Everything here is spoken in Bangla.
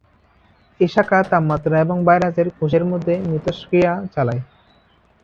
এই শাখা তাপমাত্রা এবং ভাইরাসের কোষের মধ্যে মিথস্ক্রিয়া চালায়।